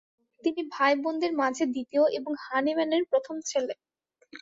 তিনি ভাই বোনদের মাঝে দ্বিতীয় এবং হ্যানিম্যানের প্রথম ছেলে।